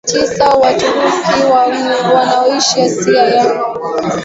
ya tisa Waturuki wa Oghuz wanaoishi Asia ya